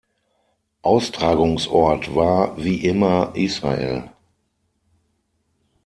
Austragungsort war wie immer Israel.